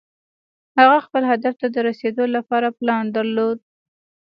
هغه خپل هدف ته د رسېدو لپاره پلان درلود.